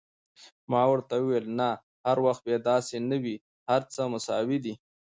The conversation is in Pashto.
ما ورته وویل: نه، هر وخت بیا داسې نه وي، هر څه مساوي دي.